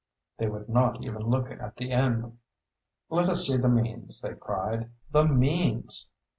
They would not even look at the end. "Let us see the means," they cried, "the means!"